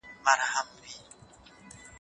ګلالۍ په ډېر اخلاص سره د کور برکت ته دعا کوله.